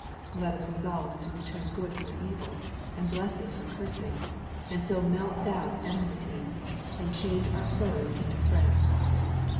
Let us resolve to return good for evil, and bless ing for cursing, and so melt down enmity, and change our foes into friends.